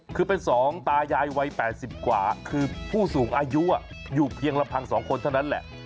คือเป็น๒ตายายวัย๘๐กว่าคือผู้สูงอายุอยู่เพียงลำพัง๒คนเท่านั้นแหละ